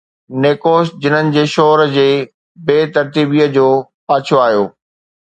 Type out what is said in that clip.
نيڪوش، جنن جي شور جي بي ترتيبيءَ جو پاڇو آيو